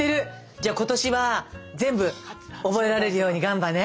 じゃ今年は全部覚えられるようにガンバね。